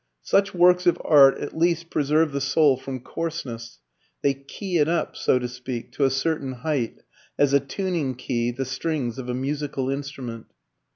Such works of art at least preserve the soul from coarseness; they "key it up," so to speak, to a certain height, as a tuning key the strings of a musical instrument.